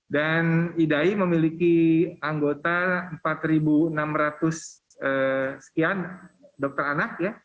dan idai memiliki anggota empat enam ratus sekian dokter anak